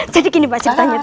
jadi gini pak ceritanya